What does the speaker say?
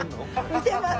見てます